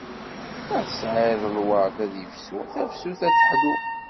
Ma tessiḍ lward ad yefsu, tafsut ad teḥlu.